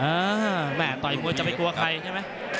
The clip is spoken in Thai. แม่ต่อยมวยจะไปกลัวใครใช่ไหม